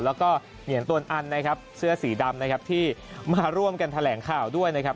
แล้วก็เหนียนตวนอันนะครับเสื้อสีดำนะครับที่มาร่วมกันแถลงข่าวด้วยนะครับ